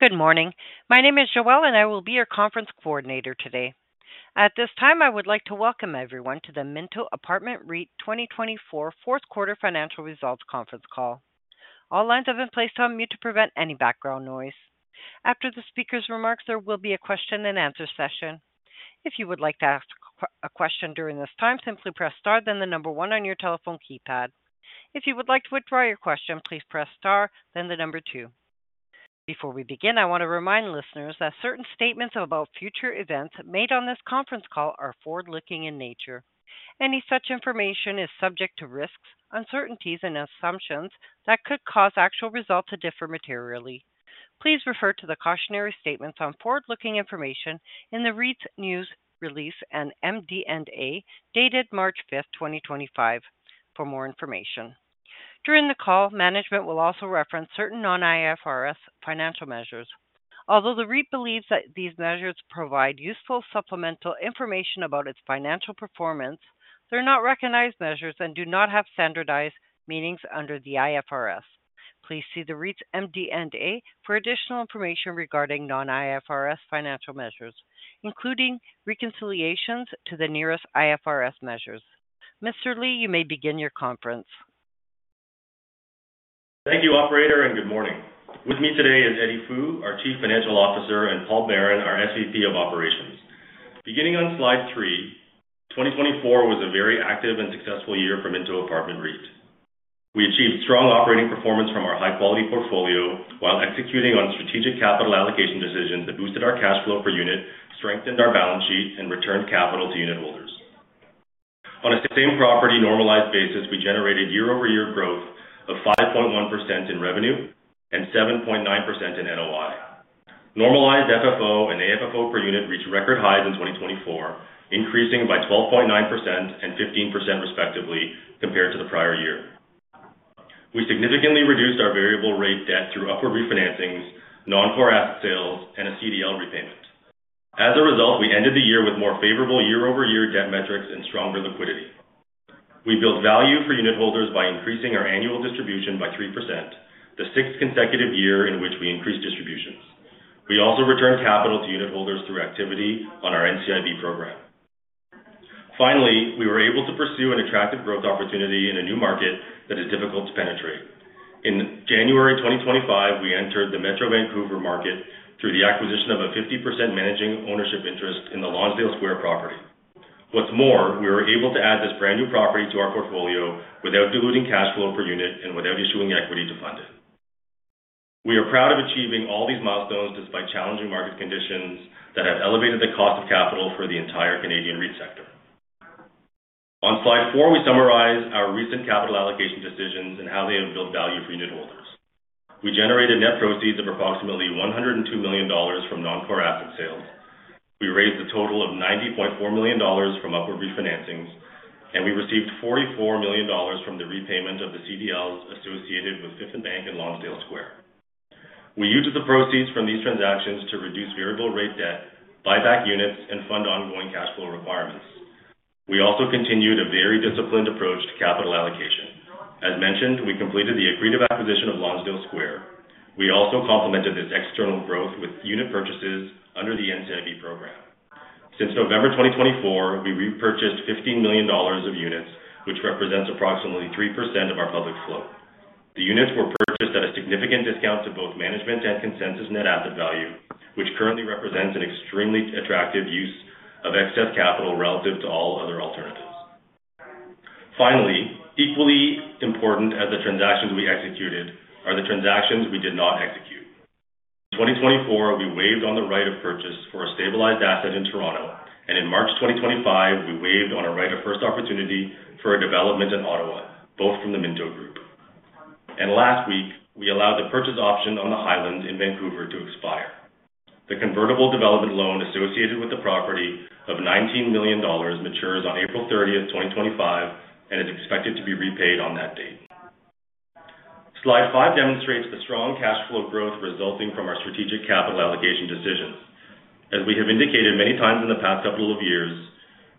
Good morning. My name is Joelle, and I will be your conference coordinator today. At this time, I would like to welcome everyone to the Minto Apartment REIT 2024 Fourth Quarter Financial Results Conference Call. All lines have been placed on mute to prevent any background noise. After the speaker's remarks, there will be a question-and-answer session. If you would like to ask a question during this time, simply press star, then the number one on your telephone keypad. If you would like to withdraw your question, please press star, then the number two. Before we begin, I want to remind listeners that certain statements about future events made on this conference call are forward-looking in nature. Any such information is subject to risks, uncertainties, and assumptions that could cause actual results to differ materially. Please refer to the cautionary statements on forward-looking information in the REIT's News Release and MD&A dated March 5th, 2025, for more information. During the call, management will also reference certain non-IFRS financial measures. Although the REIT believes that these measures provide useful supplemental information about its financial performance, they're not recognized measures and do not have standardized meanings under the IFRS. Please see the REIT's MD&A for additional information regarding non-IFRS financial measures, including reconciliations to the nearest IFRS measures. Mr. Lee, you may begin your conference. Thank you, Operator, and good morning. With me today is Eddie Fu, our Chief Financial Officer, and Paul Baron, our SVP of Operations. Beginning on slide three, 2024 was a very active and successful year for Minto Apartment REIT. We achieved strong operating performance from our high-quality portfolio while executing on strategic capital allocation decisions that boosted our cash flow per unit, strengthened our balance sheet, and returned capital to unit holders. On a same property normalized basis, we generated year-over-year growth of 5.1% in revenue and 7.9% in NOI. Normalized FFO and AFFO per unit reached record highs in 2024, increasing by 12.9% and 15% respectively compared to the prior year. We significantly reduced our variable rate debt through upward refinancings, non-core asset sales, and a CDL repayment. As a result, we ended the year with more favorable year-over-year debt metrics and stronger liquidity. We built value for unit holders by increasing our annual distribution by 3%, the sixth consecutive year in which we increased distributions. We also returned capital to unit holders through activity on our NCIB program. Finally, we were able to pursue an attractive growth opportunity in a new market that is difficult to penetrate. In January 2025, we entered the Metro Vancouver market through the acquisition of a 50% managing ownership interest in the Lonsdale Square property. What's more, we were able to add this brand new property to our portfolio without diluting cash flow per unit and without issuing equity to fund it. We are proud of achieving all these milestones despite challenging market conditions that have elevated the cost of capital for the entire Canadian REIT sector. On slide four, we summarize our recent capital allocation decisions and how they have built value for unit holders. We generated net proceeds of approximately $102 million from non-core asset sales. We raised a total of $90.4 million from upward refinancings, and we received $44 million from the repayment of the CDLs associated with Fifth and Bank and Lonsdale Square. We used the proceeds from these transactions to reduce variable rate debt, buyback units, and fund ongoing cash flow requirements. We also continued a very disciplined approach to capital allocation. As mentioned, we completed the accretive acquisition of Lonsdale Square. We also complemented this external growth with unit purchases under the NCIB program. Since November 2024, we repurchased $15 million of units, which represents approximately 3% of our public float. The units were purchased at a significant discount to both management and consensus net asset value, which currently represents an extremely attractive use of excess capital relative to all other alternatives. Finally, equally important as the transactions we executed are the transactions we did not execute. In 2024, we waived on the right of purchase for a stabilized asset in Toronto, and in March 2025, we waived on a right of first opportunity for a development in Ottawa, both from the Minto Group. Last week, we allowed the purchase option on The Hyland in Vancouver to expire. The convertible development loan associated with the property of $19 million matures on April 30th, 2025, and is expected to be repaid on that date. Slide five demonstrates the strong cash flow growth resulting from our strategic capital allocation decisions. As we have indicated many times in the past couple of years,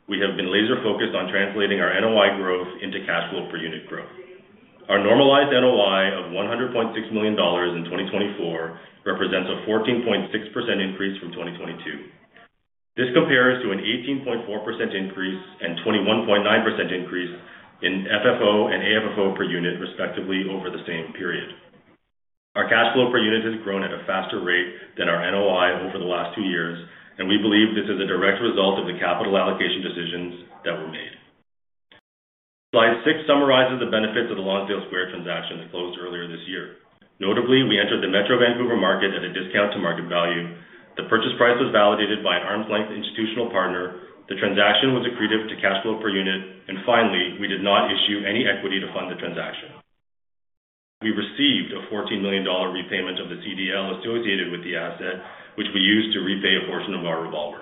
we have been laser-focused on translating our NOI growth into cash flow per unit growth. Our normalized NOI of $100.6 million in 2024 represents a 14.6% increase from 2022. This compares to an 18.4% increase and 21.9% increase in FFO and AFFO per unit, respectively, over the same period. Our cash flow per unit has grown at a faster rate than our NOI over the last two years, and we believe this is a direct result of the capital allocation decisions that were made. Slide six summarizes the benefits of the Lonsdale Square transaction that closed earlier this year. Notably, we entered the Metro Vancouver market at a discount to market value. The purchase price was validated by an arm's length institutional partner. The transaction was accretive to cash flow per unit. Finally, we did not issue any equity to fund the transaction. We received a $14 million repayment of the CDL associated with the asset, which we used to repay a portion of our revolver.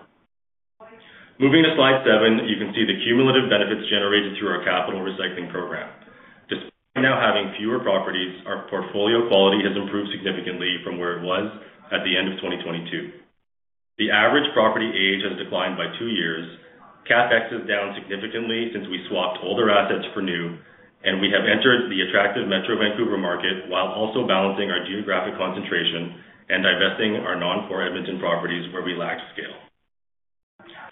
Moving to slide seven, you can see the cumulative benefits generated through our capital recycling program. Despite now having fewer properties, our portfolio quality has improved significantly from where it was at the end of 2022. The average property age has declined by two years, CapEx is down significantly since we swapped older assets for new, and we have entered the attractive Metro Vancouver market while also balancing our geographic concentration and divesting our non-core Edmonton properties where we lacked scale.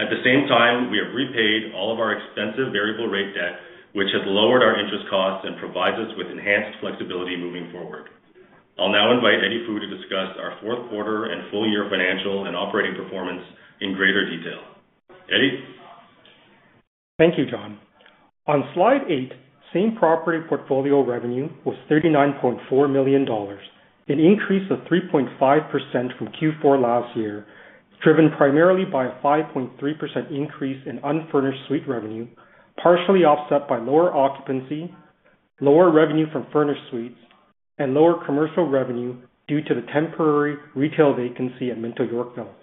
At the same time, we have repaid all of our expensive variable rate debt, which has lowered our interest costs and provides us with enhanced flexibility moving forward. I'll now invite Eddie Fu to discuss our fourth quarter and full-year financial and operating performance in greater detail. Eddie. Thank you, Jon. On slide eight, same property portfolio revenue was $ 39.4 million, an increase of 3.5% from Q4 last year, driven primarily by a 5.3% increase in unfurnished suite revenue, partially offset by lower occupancy, lower revenue from furnished suites, and lower commercial revenue due to the temporary retail vacancy at Minto Yorkville.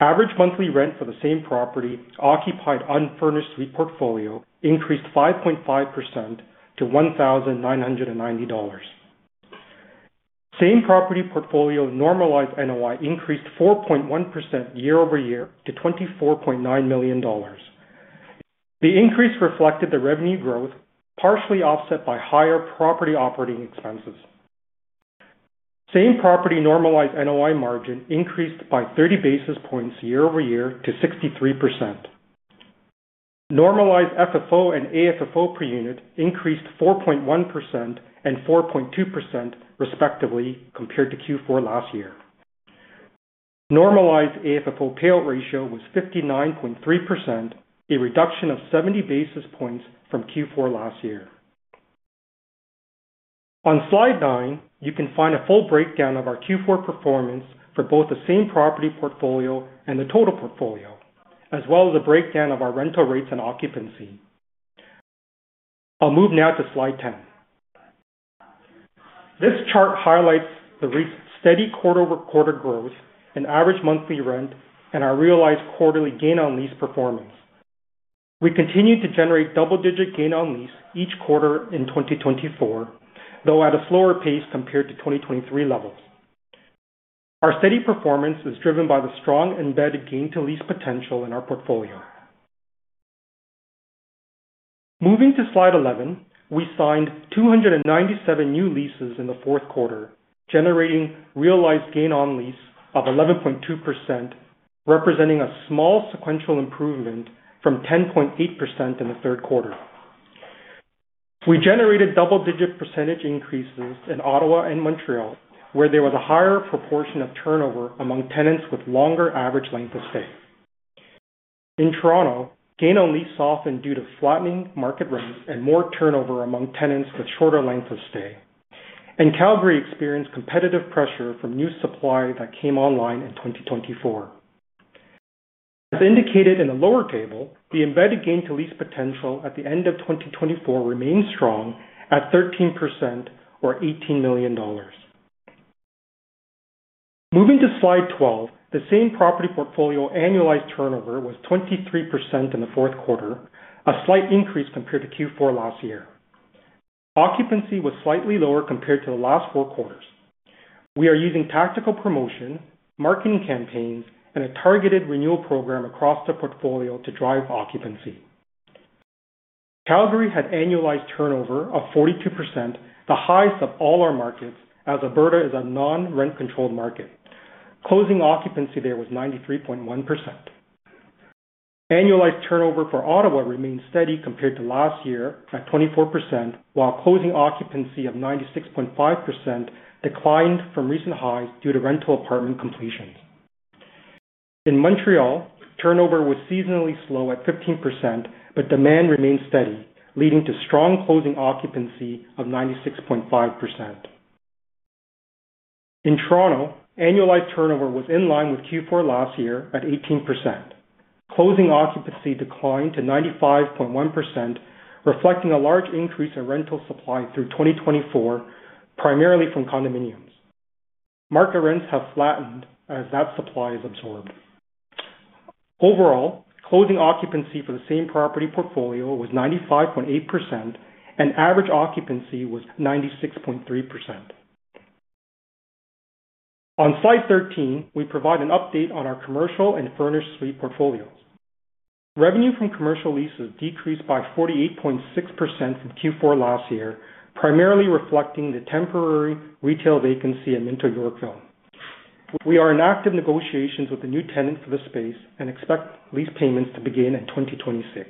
Average monthly rent for the same property occupied unfurnished suite portfolio increased 5.5% to $1,990. Same property portfolio normalized NOI increased 4.1% year-over-year to $24.9 million. The increase reflected the revenue growth, partially offset by higher property operating expenses. Same property normalized NOI margin increased by 30 basis points year-over-year to 63%. Normalized FFO and AFFO per unit increased 4.1% and 4.2%, respectively, compared to Q4 last year. Normalized AFFO payout ratio was 59.3%, a reduction of 70 basis points from Q4 last year. On slide nine, you can find a full breakdown of our Q4 performance for both the same property portfolio and the total portfolio, as well as a breakdown of our rental rates and occupancy. I'll move now to slide 10. This chart highlights the REIT's steady quarter-over-quarter growth, an average monthly rent, and our realized quarterly gain-on-lease performance. We continue to generate double-digit gain-on-lease each quarter in 2024, though at a slower pace compared to 2023 levels. Our steady performance is driven by the strong embedded gain-to-lease potential in our portfolio. Moving to slide 11, we signed 297 new leases in the fourth quarter, generating realized gain-on-lease of 11.2%, representing a small sequential improvement from 10.8% in the third quarter. We generated double-digit percentage increases in Ottawa and Montréal, where there was a higher proportion of turnover among tenants with longer average length of stay. In Toronto, gain-on-lease softened due to flattening market rents and more turnover among tenants with shorter length of stay. Calgary experienced competitive pressure from new supply that came online in 2024. As indicated in the lower table, the embedded gain-to-lease potential at the end of 2024 remained strong at 13% or $18 million. Moving to slide 12, the same property portfolio annualized turnover was 23% in the fourth quarter, a slight increase compared to Q4 last year. Occupancy was slightly lower compared to the last four quarters. We are using tactical promotion, marketing campaigns, and a targeted renewal program across the portfolio to drive occupancy. Calgary had annualized turnover of 42%, the highest of all our markets, as Alberta is a non-rent-controlled market. Closing occupancy there was 93.1%. Annualized turnover for Ottawa remained steady compared to last year at 24%, while closing occupancy of 96.5% declined from recent highs due to rental apartment completions. In Montréal, turnover was seasonally slow at 15%, but demand remained steady, leading to strong closing occupancy of 96.5%. In Toronto, annualized turnover was in line with Q4 last year at 18%. Closing occupancy declined to 95.1%, reflecting a large increase in rental supply through 2024, primarily from condominiums. Market rents have flattened as that supply is absorbed. Overall, closing occupancy for the same property portfolio was 95.8%, and average occupancy was 96.3%. On slide 13, we provide an update on our commercial and furnished suite portfolios. Revenue from commercial leases decreased by 48.6% from Q4 last year, primarily reflecting the temporary retail vacancy in Minto Yorkville. We are in active negotiations with the new tenant for the space and expect lease payments to begin in 2026.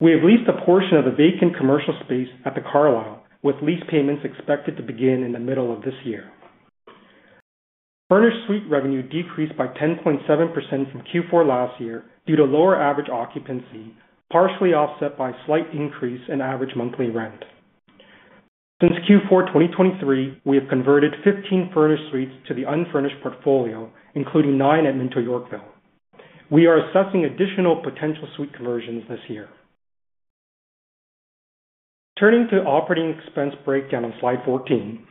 We have leased a portion of the vacant commercial space at the Carlisle, with lease payments expected to begin in the middle of this year. Furnished suite revenue decreased by 10.7% from Q4 last year due to lower average occupancy, partially offset by a slight increase in average monthly rent. Since Q4 2023, we have converted 15 furnished suites to the unfurnished portfolio, including nine at Minto Yorkville. We are assessing additional potential suite conversions this year. Turning to operating expense breakdown on slide 14,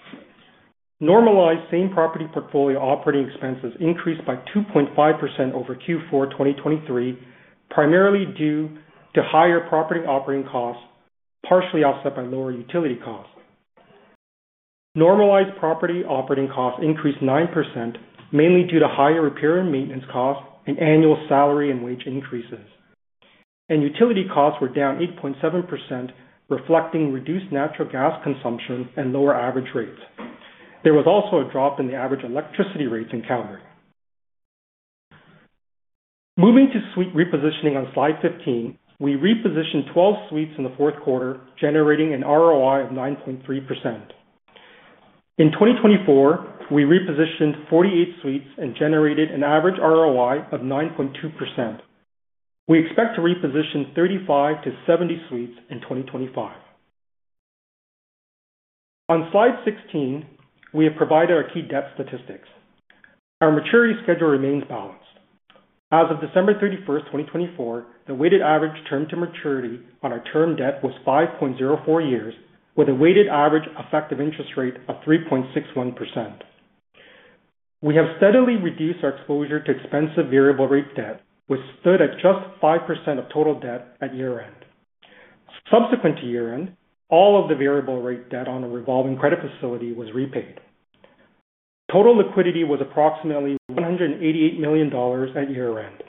normalized same property portfolio operating expenses increased by 2.5% over Q4 2023, primarily due to higher property operating costs, partially offset by lower utility costs. Normalized property operating costs increased 9%, mainly due to higher repair and maintenance costs and annual salary and wage increases. Utility costs were down 8.7%, reflecting reduced natural gas consumption and lower average rates. There was also a drop in the average electricity rates in Calgary. Moving to suite repositioning on slide 15, we repositioned 12 suites in the fourth quarter, generating an ROI of 9.3%. In 2024, we repositioned 48 suites and generated an average ROI of 9.2%. We expect to reposition 35-70 suites in 2025. On slide 16, we have provided our key debt statistics. Our maturity schedule remains balanced. As of December 31, 2024, the weighted average term to maturity on our term debt was 5.04 years, with a weighted average effective interest rate of 3.61%. We have steadily reduced our exposure to expensive variable rate debt, which stood at just 5% of total debt at year-end. Subsequent to year-end, all of the variable rate debt on a revolving credit facility was repaid. Total liquidity was approximately $188 million at year-end.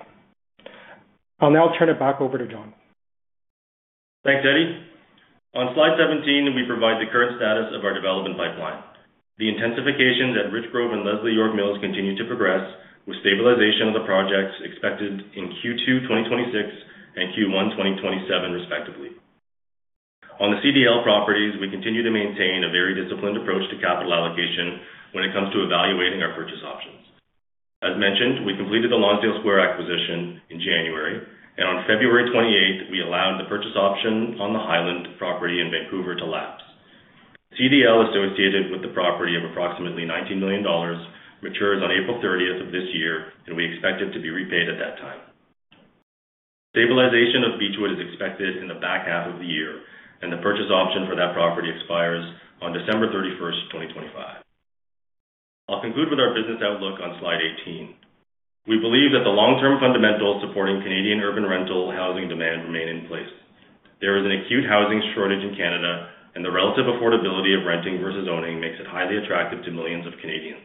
I'll now turn it back over to Jon. Thanks, Eddie. On slide 17, we provide the current status of our development pipeline. The intensifications at Richgrove and Leslie York Mills continue to progress, with stabilization of the projects expected in Q2 2026 and Q1 2027, respectively. On the CDL properties, we continue to maintain a very disciplined approach to capital allocation when it comes to evaluating our purchase options. As mentioned, we completed the Lonsdale Square acquisition in January, and on February 28th, we allowed the purchase option on The Hyland property in Vancouver to lapse. CDL associated with the property of approximately $19 million matures on April 30th of this year, and we expect it to be repaid at that time. Stabilization of Beechwood is expected in the back half of the year, and the purchase option for that property expires on December 31st, 2025. I'll conclude with our business outlook on slide 18. We believe that the long-term fundamentals supporting Canadian urban rental housing demand remain in place. There is an acute housing shortage in Canada, and the relative affordability of renting versus owning makes it highly attractive to millions of Canadians.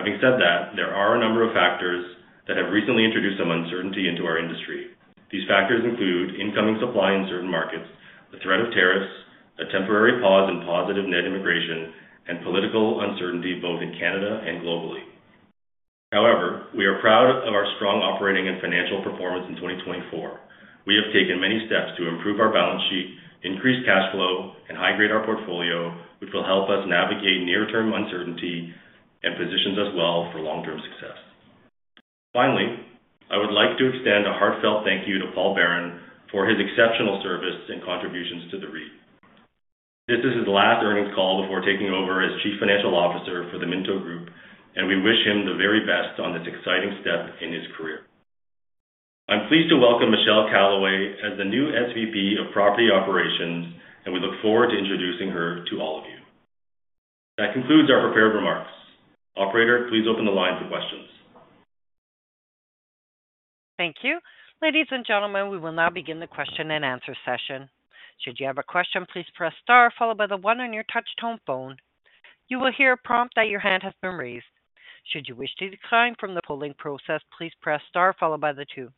Having said that, there are a number of factors that have recently introduced some uncertainty into our industry. These factors include incoming supply in certain markets, the threat of tariffs, a temporary pause in positive net immigration, and political uncertainty both in Canada and globally. However, we are proud of our strong operating and financial performance in 2024. We have taken many steps to improve our balance sheet, increase cash flow, and high-grade our portfolio, which will help us navigate near-term uncertainty and positions us well for long-term success. Finally, I would like to extend a heartfelt thank you to Paul Baron for his exceptional service and contributions to the REIT. This is his last earnings call before taking over as Chief Financial Officer for the Minto Group, and we wish him the very best on this exciting step in his career. I'm pleased to welcome Michelle Calloway as the new SVP of Property Operations, and we look forward to introducing her to all of you. That concludes our prepared remarks. Operator, please open the line for questions. Thank you. Ladies and gentlemen, we will now begin the question and answer session. Should you have a question, please press star followed by the one on your touch-tone phone. You will hear a prompt that your hand has been raised. Should you wish to decline from the polling process, please press star followed by the two.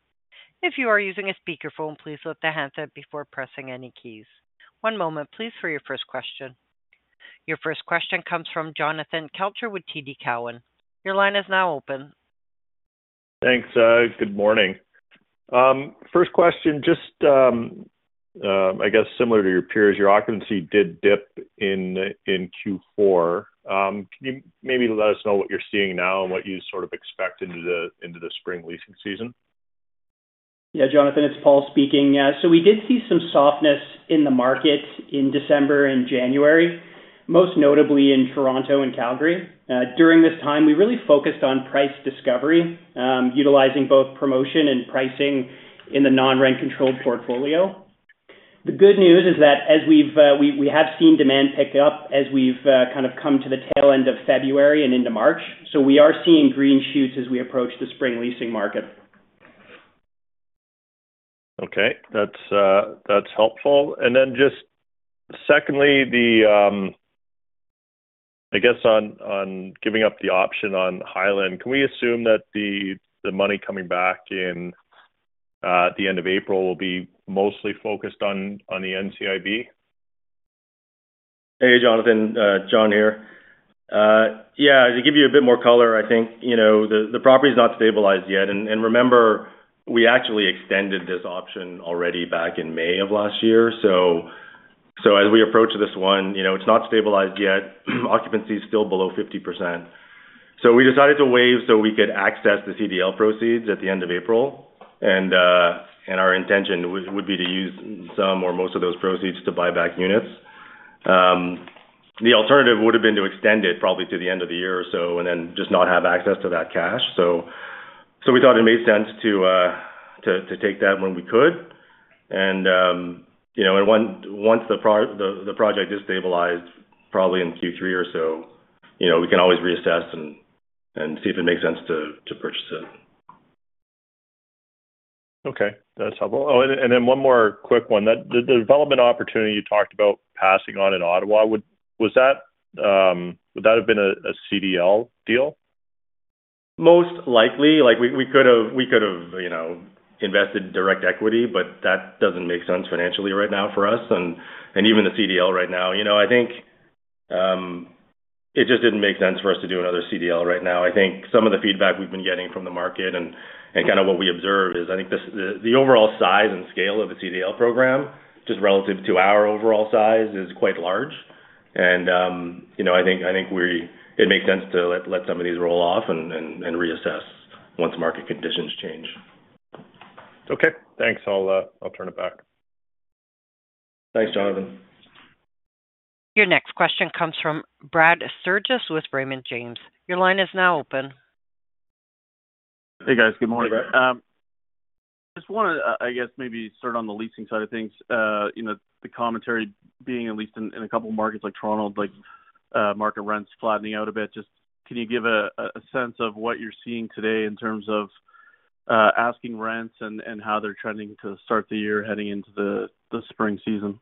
If you are using a speakerphone, please lift the handset before pressing any keys. One moment, please, for your first question. Your first question comes from Jonathan Kelcher with TD Cowen. Your line is now open. Thanks. Good morning. First question, just, I guess, similar to your peers, your occupancy did dip in Q4. Can you maybe let us know what you're seeing now and what you sort of expect into the spring leasing season? Yeah, Jonathan, it's Paul speaking. We did see some softness in the market in December and January, most notably in Toronto and Calgary. During this time, we really focused on price discovery, utilizing both promotion and pricing in the non-rent-controlled portfolio. The good news is that we have seen demand pick up as we've kind of come to the tail end of February and into March. We are seeing green shoots as we approach the spring leasing market. Okay. That's helpful. Just secondly, I guess on giving up the option on The Hyland, can we assume that the money coming back at the end of April will be mostly focused on the NCIB? Hey, Jonathan. Jon here. Yeah, to give you a bit more color, I think the property is not stabilized yet. And remember, we actually extended this option already back in May of last year. As we approach this one, it's not stabilized yet. Occupancy is still below 50%. We decided to waive so we could access the CDL proceeds at the end of April. Our intention would be to use some or most of those proceeds to buy back units. The alternative would have been to extend it probably to the end of the year or so and then just not have access to that cash. We thought it made sense to take that when we could. Once the project is stabilized, probably in Q3 or so, we can always reassess and see if it makes sense to purchase it. Okay. That's helpful. Oh, and then one more quick one. The development opportunity you talked about passing on in Ottawa, would that have been a CDL deal? Most likely. We could have invested in direct equity, but that does not make sense financially right now for us. Even the CDL right now, I think it just did not make sense for us to do another CDL right now. I think some of the feedback we have been getting from the market and kind of what we observe is I think the overall size and scale of the CDL program, just relative to our overall size, is quite large. I think it makes sense to let some of these roll off and reassess once market conditions change. Okay. Thanks. I'll turn it back. Thanks, Jonathan. Your next question comes from Brad Strurges with Raymond James. Your line is now open. Hey, guys. Good morning. Hey, Brad. Just want to, I guess, maybe start on the leasing side of things. The commentary being at least in a couple of markets like Toronto, market rents flattening out a bit. Just can you give a sense of what you're seeing today in terms of asking rents and how they're trending to start the year heading into the spring season?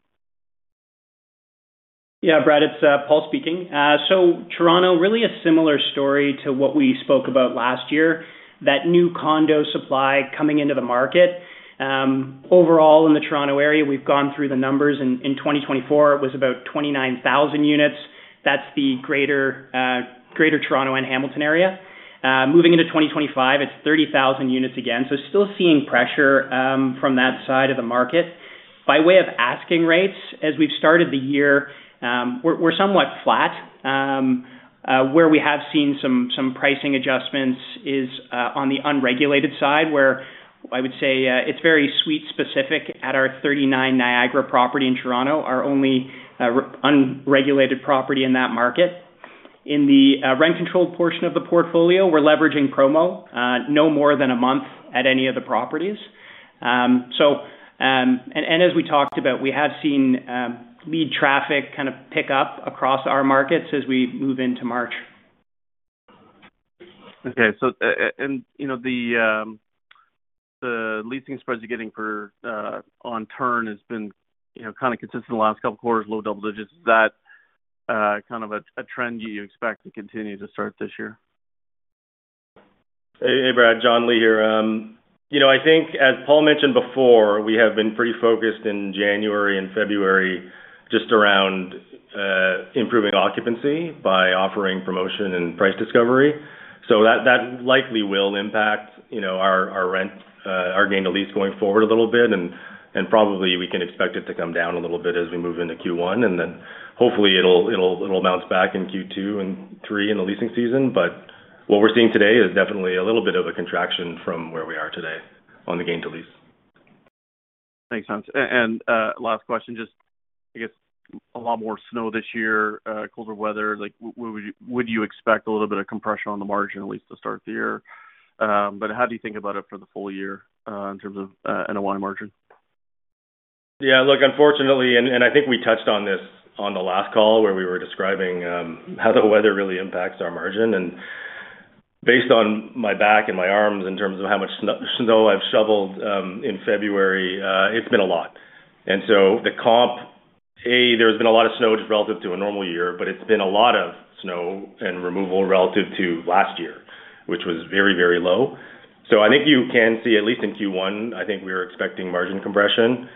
Yeah, Brad, it's Paul speaking. Toronto, really a similar story to what we spoke about last year, that new condo supply coming into the market. Overall, in the Toronto area, we've gone through the numbers. In 2024, it was about 29,000 units. That's the Greater Toronto and Hamilton area. Moving into 2025, it's 30,000 units again. Still seeing pressure from that side of the market. By way of asking rates, as we've started the year, we're somewhat flat. Where we have seen some pricing adjustments is on the unregulated side, where I would say it's very suite-specific at our 39 Niagara property in Toronto, our only unregulated property in that market. In the rent-controlled portion of the portfolio, we're leveraging promo, no more than a month at any of the properties. As we talked about, we have seen lead traffic kind of pick up across our markets as we move into March. Okay. The leasing spreads you're getting on turn has been kind of consistent in the last couple of quarters, low double-digits. Is that kind of a trend you expect to continue to start this year? Hey, Brad. Jon Lee here. I think, as Paul mentioned before, we have been pretty focused in January and February just around improving occupancy by offering promotion and price discovery. That likely will impact our gain-to-lease going forward a little bit. We can expect it to come down a little bit as we move into Q1. Hopefully, it will bounce back in Q2 and Q3 in the leasing season. What we are seeing today is definitely a little bit of a contraction from where we are today on the gain-to-lease. Thanks, Jonathan. Last question, just, I guess, a lot more snow this year, colder weather. Would you expect a little bit of compression on the margin at least to start the year? How do you think about it for the full year in terms of NOI margin? Yeah. Look, unfortunately, and I think we touched on this on the last call where we were describing how the weather really impacts our margin. Based on my back and my arms in terms of how much snow I've shoveled in February, it's been a lot. The comp, A, there has been a lot of snow just relative to a normal year, but it's been a lot of snow and removal relative to last year, which was very, very low. I think you can see, at least in Q1, we were expecting margin compression.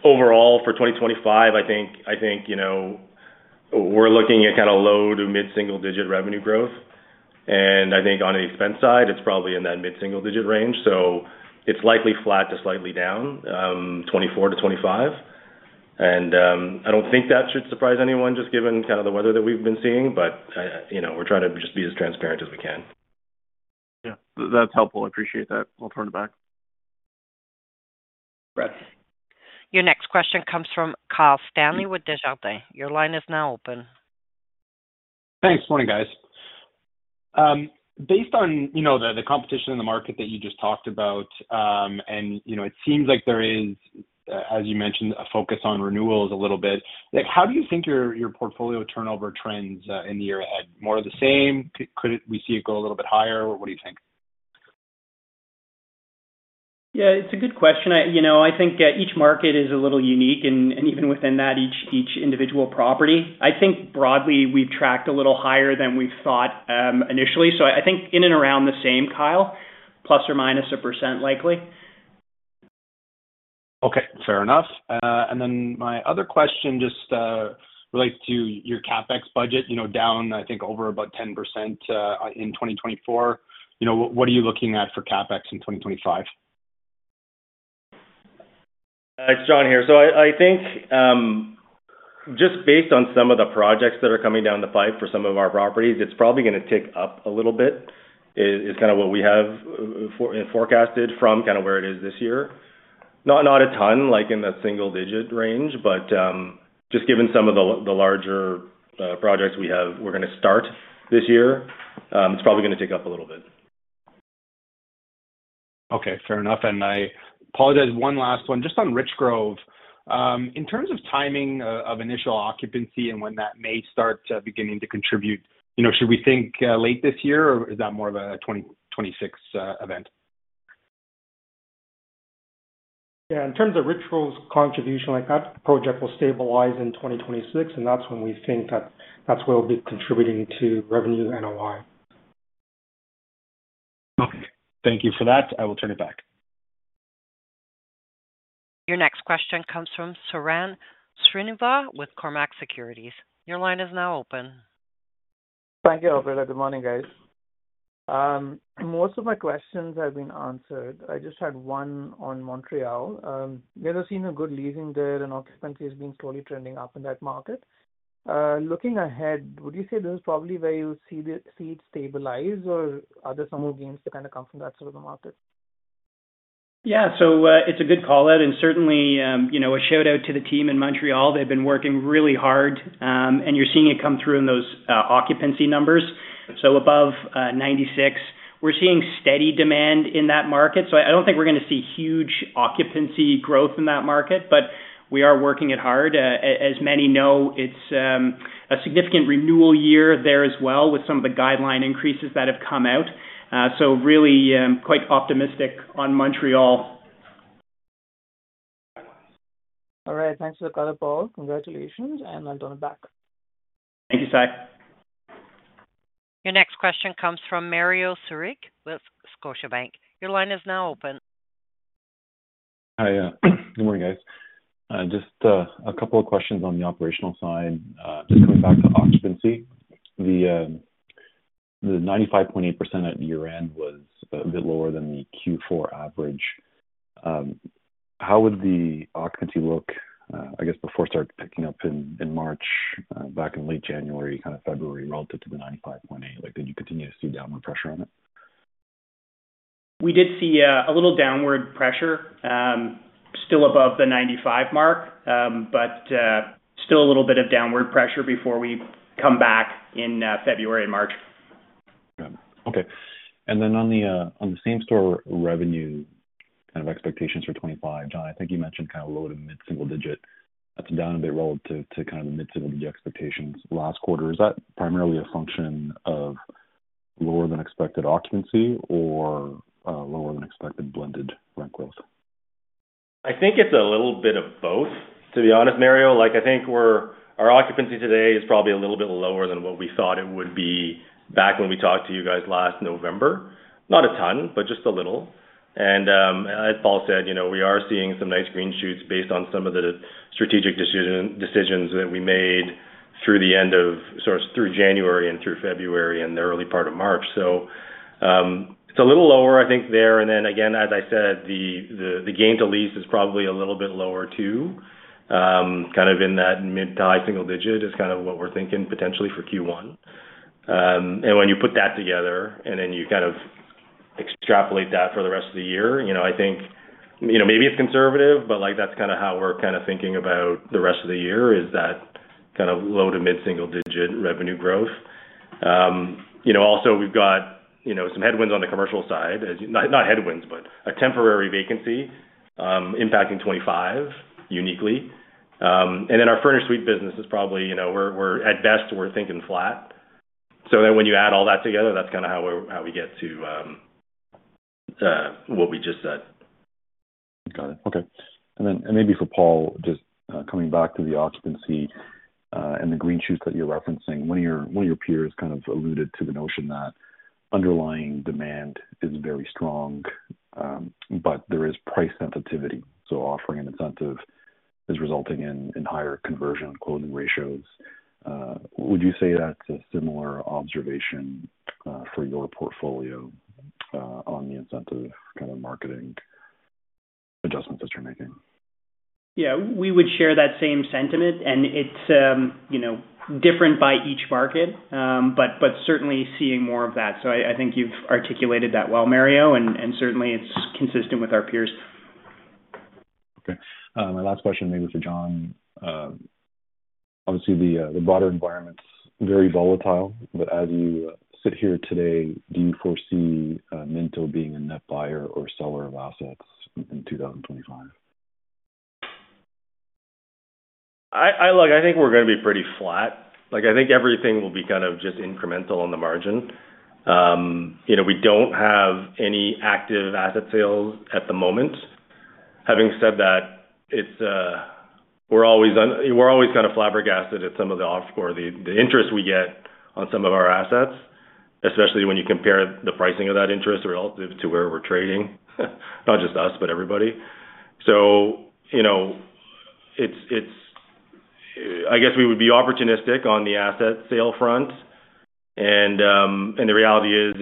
Overall, for 2025, I think we're looking at kind of low to mid-single-digit revenue growth. I think on the expense side, it's probably in that mid-single-digit range. It's likely flat to slightly down, 2024 to 2025. I do not think that should surprise anyone just given kind of the weather that we have been seeing, but we are trying to just be as transparent as we can. Yeah. That's helpful. I appreciate that. I'll turn it back. Brad. Your next question comes from Kyle Stanley with Desjardins. Your line is now open. Thanks. Morning, guys. Based on the competition in the market that you just talked about, and it seems like there is, as you mentioned, a focus on renewals a little bit, how do you think your portfolio turnover trends in the year ahead? More of the same? Could we see it go a little bit higher? What do you think? Yeah, it's a good question. I think each market is a little unique, and even within that, each individual property. I think broadly, we've tracked a little higher than we thought initially. I think in and around the same, Kyle, plus or minus a percent likely. Okay. Fair enough. My other question just relates to your CapEx budget down, I think, over about 10% in 2024. What are you looking at for CapEx in 2025? It's Jon here. I think just based on some of the projects that are coming down the pipe for some of our properties, it's probably going to tick up a little bit, is kind of what we have forecasted from kind of where it is this year. Not a ton in the single-digit range, but just given some of the larger projects we're going to start this year, it's probably going to tick up a little bit. Okay. Fair enough. I apologize. One last one, just on Richgrove. In terms of timing of initial occupancy and when that may start beginning to contribute, should we think late this year, or is that more of a 2026 event? Yeah. In terms of Richgrove's contribution, that project will stabilize in 2026, and that's when we think that's where we'll be contributing to revenue NOI. Okay. Thank you for that. I will turn it back. Your next question comes from Sairam Srinivas with Cormark Securities. Your line is now open. Thank you, operator. Good morning, guys. Most of my questions have been answered. I just had one on Montréal. We have seen a good leasing there, and occupancy has been slowly trending up in that market. Looking ahead, would you say this is probably where you see it stabilize, or are there some more gains to kind of come from that side of the market? Yeah. It is a good call-out, and certainly a shout-out to the team in Montréal. They have been working really hard, and you are seeing it come through in those occupancy numbers. Above 96%, we are seeing steady demand in that market. I do not think we are going to see huge occupancy growth in that market, but we are working it hard. As many know, it is a significant renewal year there as well with some of the guideline increases that have come out. Really quite optimistic on Montréal. All right. Thanks for the call, Paul. Congratulations. I'll turn it back. Thank you, Sai. Your next question comes from Mario Saric with Scotiabank. Your line is now open. Hi, yeah. Good morning, guys. Just a couple of questions on the operational side. Just coming back to occupancy, the 95.8% at year-end was a bit lower than the Q4 average. How would the occupancy look, I guess, before it started picking up in March, back in late January, kind of February relative to the 95.8%? Did you continue to see downward pressure on it? We did see a little downward pressure, still above the 95% mark, but still a little bit of downward pressure before we come back in February and March. Got it. Okay. On the same-store revenue kind of expectations for 2025, Jon, I think you mentioned kind of low to mid-single-digit. That is down a bit relative to kind of the mid-single-digit expectations last quarter. Is that primarily a function of lower-than-expected occupancy or lower-than-expected blended rent growth? I think it's a little bit of both, to be honest, Mario. I think our occupancy today is probably a little bit lower than what we thought it would be back when we talked to you guys last November. Not a ton, but just a little. As Paul said, we are seeing some nice green shoots based on some of the strategic decisions that we made through the end of sort of through January and through February and the early part of March. It is a little lower, I think, there. Again, as I said, the gain-to-lease is probably a little bit lower too, kind of in that mid-to-high single-digit is kind of what we're thinking potentially for Q1. When you put that together and then you kind of extrapolate that for the rest of the year, I think maybe it's conservative, but that's kind of how we're kind of thinking about the rest of the year is that kind of low to mid-single-digit revenue growth. Also, we've got some headwinds on the commercial side, not headwinds, but a temporary vacancy impacting 2025 uniquely. Our furnished suite business is probably at best, we're thinking flat. When you add all that together, that's kind of how we get to what we just said. Got it. Okay. Maybe for Paul, just coming back to the occupancy and the green shoots that you're referencing, one of your peers kind of alluded to the notion that underlying demand is very strong, but there is price sensitivity. Offering an incentive is resulting in higher conversion and closing ratios. Would you say that's a similar observation for your portfolio on the incentive kind of marketing adjustments that you're making? Yeah. We would share that same sentiment, and it is different by each market, but certainly seeing more of that. I think you have articulated that well, Mario, and certainly it is consistent with our peers. Okay. My last question maybe for Jon. Obviously, the broader environment's very volatile, but as you sit here today, do you foresee Minto being a net buyer or seller of assets in 2025? Look, I think we're going to be pretty flat. I think everything will be kind of just incremental on the margin. We don't have any active asset sales at the moment. Having said that, we're always kind of flabbergasted at some of the interest we get on some of our assets, especially when you compare the pricing of that interest relative to where we're trading, not just us, but everybody. I guess we would be opportunistic on the asset sale front. The reality is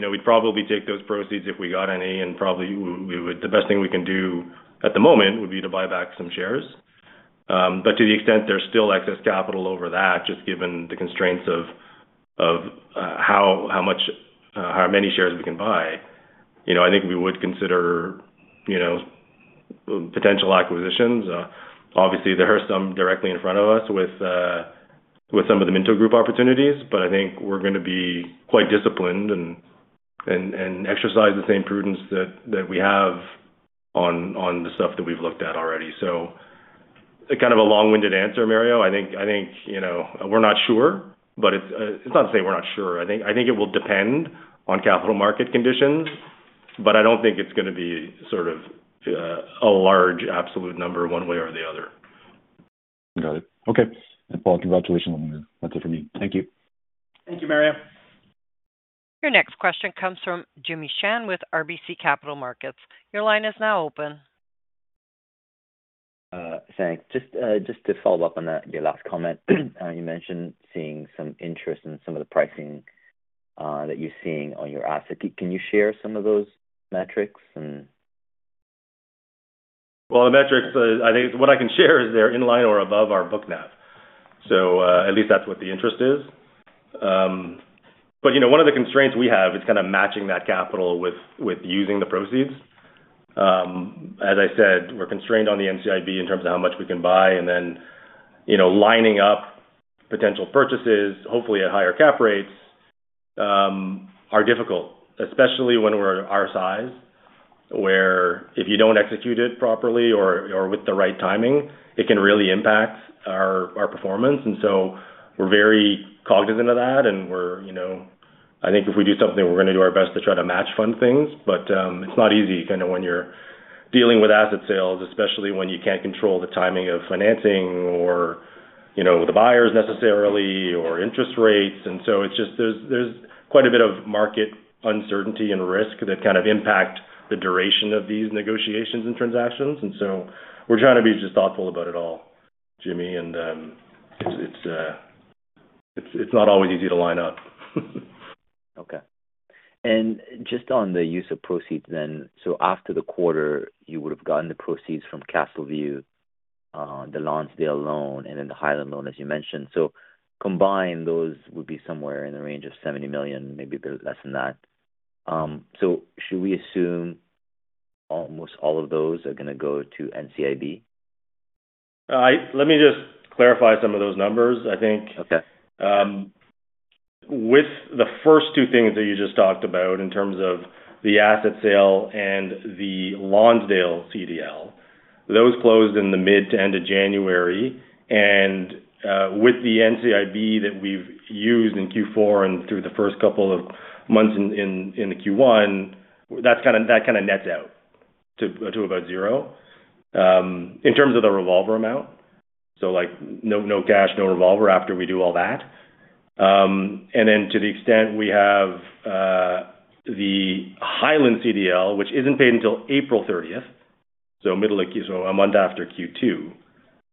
we'd probably take those proceeds if we got any, and probably the best thing we can do at the moment would be to buy back some shares. To the extent there's still excess capital over that, just given the constraints of how many shares we can buy, I think we would consider potential acquisitions. Obviously, there are some directly in front of us with some of the Minto Group opportunities, but I think we're going to be quite disciplined and exercise the same prudence that we have on the stuff that we've looked at already. Kind of a long-winded answer, Mario. I think we're not sure, but it's not to say we're not sure. I think it will depend on capital market conditions, but I don't think it's going to be sort of a large absolute number one way or the other. Got it. Okay. Paul, congratulations on that. That's it for me. Thank you. Thank you, Mario. Your next question comes from Jimmy Shan with RBC Capital Markets. Your line is now open. Thanks. Just to follow up on your last comment, you mentioned seeing some interest in some of the pricing that you're seeing on your asset. Can you share some of those metrics? The metrics, I think what I can share is they're in line or above our book map. At least that's what the interest is. One of the constraints we have is kind of matching that capital with using the proceeds. As I said, we're constrained on the NCIB in terms of how much we can buy, and then lining up potential purchases, hopefully at higher cap rates, are difficult, especially when we're our size, where if you don't execute it properly or with the right timing, it can really impact our performance. We are very cognizant of that, and I think if we do something, we're going to do our best to try to match fund things. It's not easy kind of when you're dealing with asset sales, especially when you can't control the timing of financing or the buyers necessarily or interest rates. There is quite a bit of market uncertainty and risk that kind of impact the duration of these negotiations and transactions. We are trying to be just thoughtful about it all, Jimmy, and it is not always easy to line up. Okay. Just on the use of proceeds then, after the quarter, you would have gotten the proceeds from Castle View, the Lonsdale loan, and then The Hyland loan, as you mentioned. Combined, those would be somewhere in the range of $70 million, maybe a bit less than that. Should we assume almost all of those are going to go to NCIB? Let me just clarify some of those numbers. I think with the first two things that you just talked about in terms of the asset sale and the Lonsdale CDL, those closed in the mid to end of January. With the NCIB that we've used in Q4 and through the first couple of months in Q1, that kind of nets out to about zero in terms of the revolver amount. No cash, no revolver after we do all that. To the extent we have The Hyland CDL, which is not paid until April 30, a month after Q2,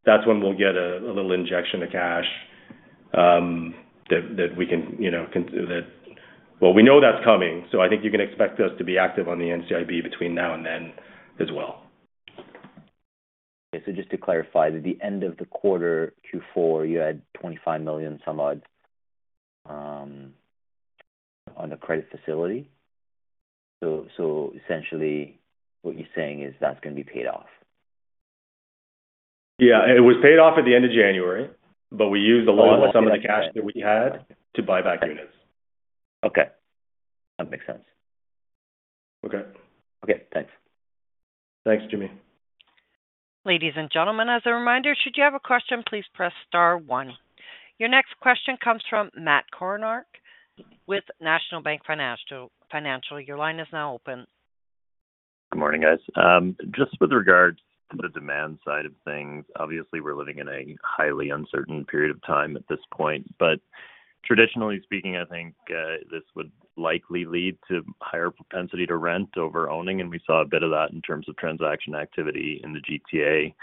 that is when we will get a little injection of cash that we can—you know, we know that is coming. I think you can expect us to be active on the NCIB between now and then as well. Okay. Just to clarify, at the end of the quarter, Q4, you had $25 million somewhat on the credit facility. Essentially, what you're saying is that's going to be paid off? Yeah. It was paid off at the end of January, but we used a lot of some of the cash that we had to buy back units. Okay. That makes sense. Okay. Okay. Thanks. Thanks, Jimmy. Ladies and gentlemen, as a reminder, should you have a question, please press star one. Your next question comes from Matt Kornark with National Bank Financial. Your line is now open. Good morning, guys. Just with regards to the demand side of things, obviously, we're living in a highly uncertain period of time at this point. Traditionally speaking, I think this would likely lead to higher propensity to rent over owning, and we saw a bit of that in terms of transaction activity in the GTA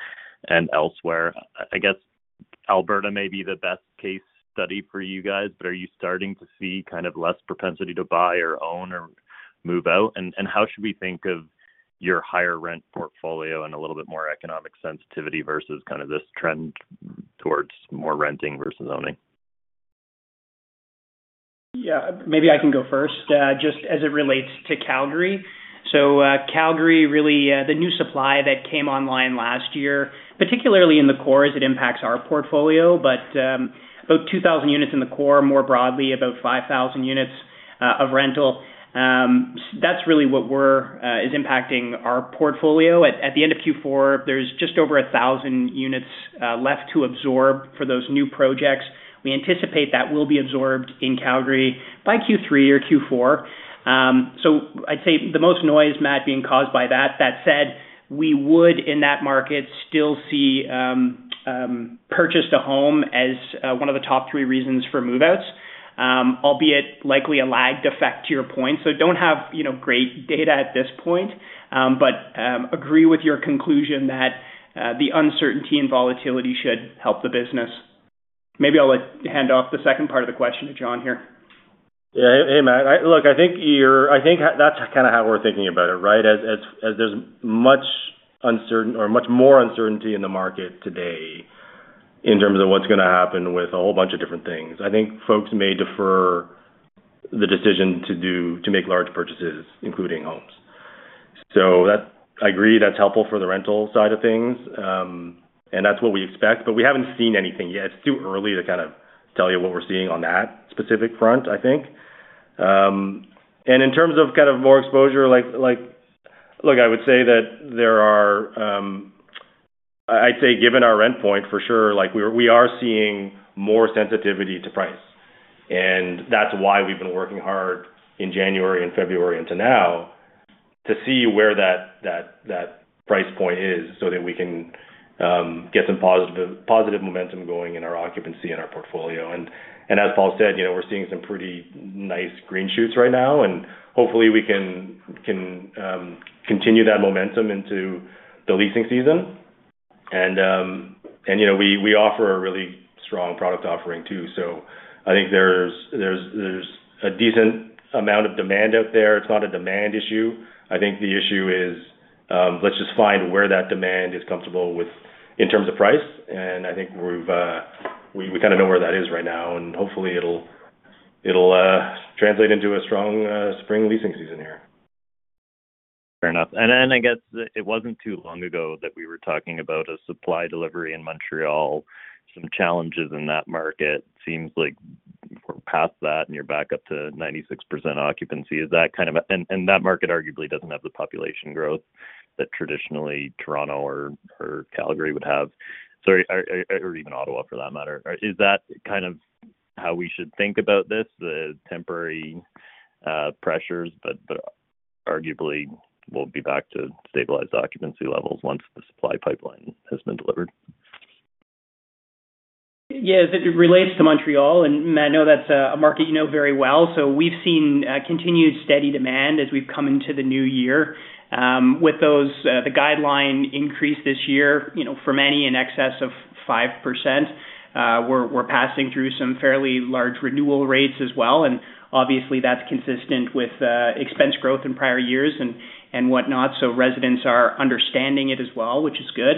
and elsewhere. I guess Alberta may be the best case study for you guys, but are you starting to see kind of less propensity to buy or own or move out? How should we think of your higher rent portfolio and a little bit more economic sensitivity versus kind of this trend towards more renting versus owning? Yeah. Maybe I can go first. Just as it relates to Calgary. Calgary, really, the new supply that came online last year, particularly in the core, it impacts our portfolio, but about 2,000 units in the core, more broadly, about 5,000 units of rental. That is really what is impacting our portfolio. At the end of Q4, there is just over 1,000 units left to absorb for those new projects. We anticipate that will be absorbed in Calgary by Q3 or Q4. I would say the most noise, Matt, is being caused by that. That said, we would, in that market, still see purchased a home as one of the top three reasons for move-outs, albeit likely a lagged effect to your point. Do not have great data at this point, but agree with your conclusion that the uncertainty and volatility should help the business. Maybe I'll hand off the second part of the question to Jon here. Yeah. Hey, Matt. Look, I think that's kind of how we're thinking about it, right? As there's much uncertainty or much more uncertainty in the market today in terms of what's going to happen with a whole bunch of different things, I think folks may defer the decision to make large purchases, including homes. I agree that's helpful for the rental side of things, and that's what we expect, but we haven't seen anything yet. It's too early to kind of tell you what we're seeing on that specific front, I think. In terms of kind of more exposure, look, I would say that there are—I would say given our endpoint, for sure, we are seeing more sensitivity to price. That is why we have been working hard in January and February into now to see where that price point is so that we can get some positive momentum going in our occupancy and our portfolio. As Paul said, we are seeing some pretty nice green shoots right now, and hopefully, we can continue that momentum into the leasing season. We offer a really strong product offering too. I think there is a decent amount of demand out there. It is not a demand issue. I think the issue is let us just find where that demand is comfortable in terms of price. I think we kind of know where that is right now, and hopefully, it will translate into a strong spring leasing season here. Fair enough. I guess it wasn't too long ago that we were talking about a supply delivery in Montréal, some challenges in that market. It seems like we're past that, and you're back up to 96% occupancy. Is that kind of—is that market arguably doesn't have the population growth that traditionally Toronto or Calgary would have, or even Ottawa for that matter. Is that kind of how we should think about this, the temporary pressures, but arguably we'll be back to stabilized occupancy levels once the supply pipeline has been delivered? Yeah. As it relates to Montréal, and I know that's a market you know very well. We've seen continued steady demand as we've come into the new year. With the guideline increase this year for many in excess of 5%, we're passing through some fairly large renewal rates as well. Obviously, that's consistent with expense growth in prior years and whatnot. Residents are understanding it as well, which is good.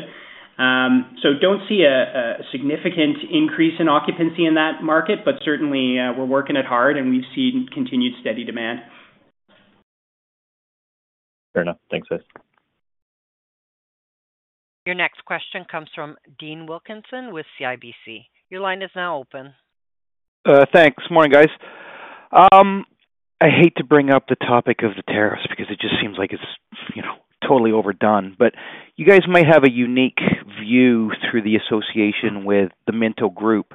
I don't see a significant increase in occupancy in that market, but certainly, we're working it hard, and we've seen continued steady demand. Fair enough. Thanks, guys. Your next question comes from Dean Wilkinson with CIBC. Your line is now open. Thanks. Morning, guys. I hate to bring up the topic of the tariffs because it just seems like it's totally overdone, but you guys might have a unique view through the association with the Minto Group.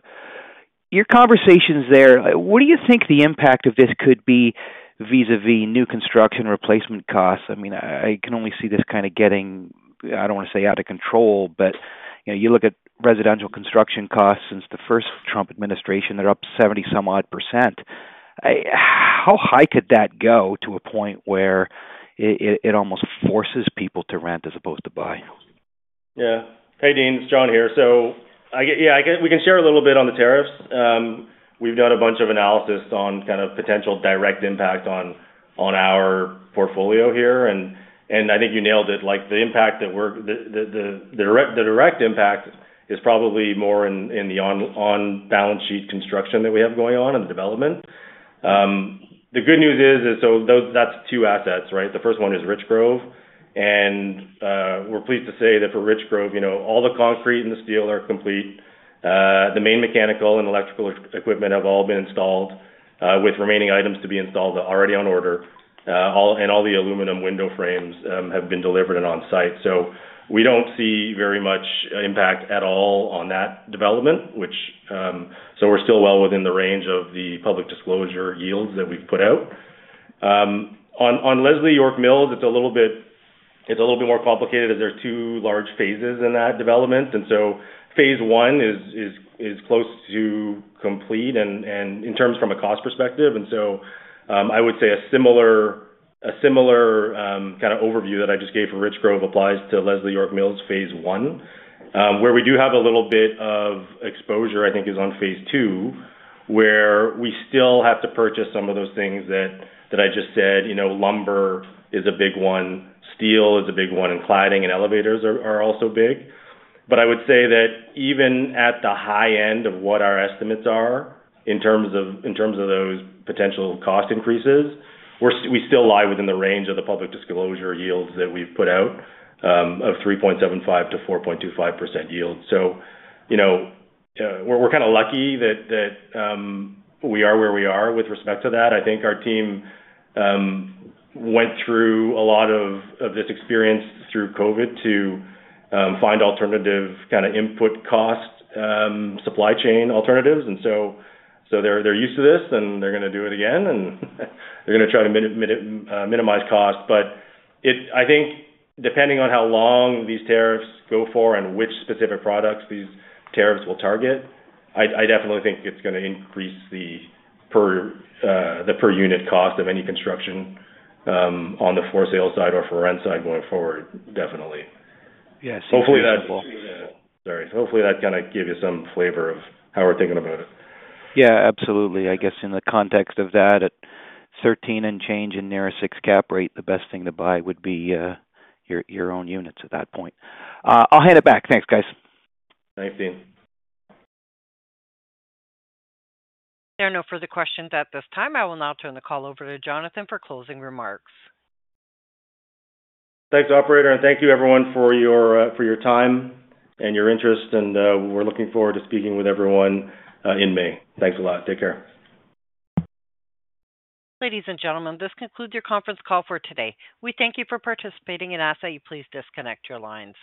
Your conversations there, what do you think the impact of this could be vis-à-vis new construction replacement costs? I mean, I can only see this kind of getting—I don't want to say out of control, but you look at residential construction costs since the first Trump administration, they're up 70-some-odd %. How high could that go to a point where it almost forces people to rent as opposed to buy? Yeah. Hey, Dean. It's Jon here. Yeah, we can share a little bit on the tariffs. We've done a bunch of analysis on kind of potential direct impact on our portfolio here. I think you nailed it. The impact that we're—the direct impact is probably more in the on-balance sheet construction that we have going on and the development. The good news is, that's two assets, right? The first one is Richgrove. We're pleased to say that for Richgrove, all the concrete and the steel are complete. The main mechanical and electrical equipment have all been installed with remaining items to be installed already on order, and all the aluminum window frames have been delivered and on-site. We don't see very much impact at all on that development, so we're still well within the range of the public disclosure yields that we've put out. On Leslie York Mills, it's a little bit more complicated as there's two large phases in that development. phase I is close to complete in terms from a cost perspective. I would say a similar kind of overview that I just gave for Richgrove applies to Leslie York Mills phase one, where we do have a little bit of exposure, I think, on phase two, where we still have to purchase some of those things that I just said. Lumber is a big one, steel is a big one, and cladding and elevators are also big. I would say that even at the high end of what our estimates are in terms of those potential cost increases, we still lie within the range of the public disclosure yields that we've put out of 3.75%-4.25% yield. We are kind of lucky that we are where we are with respect to that. I think our team went through a lot of this experience through COVID to find alternative kind of input cost supply chain alternatives. They are used to this, and they are going to do it again, and they are going to try to minimize cost. I think depending on how long these tariffs go for and which specific products these tariffs will target, I definitely think it is going to increase the per-unit cost of any construction on the for-sale side or for-rent side going forward, definitely. Hopefully, that—sorry. Hopefully, that kind of gave you some flavor of how we are thinking about it. Yeah. Absolutely. I guess in the context of that, at 13 and change and near a 6% cap rate, the best thing to buy would be your own units at that point. I'll hand it back. Thanks, guys. Thanks, Dean. There are no further questions at this time. I will now turn the call over to Jonathan for closing remarks. Thanks, operator. Thank you, everyone, for your time and your interest. We are looking forward to speaking with everyone in May. Thanks a lot. Take care. Ladies and gentlemen, this concludes your conference call for today. We thank you for participating and ask that you please disconnect your lines.